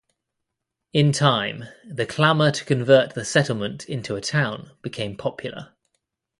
In time, the clamor to convert the settlement into a town became popular.